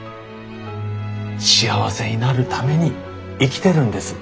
幸せになるために生きてるんです。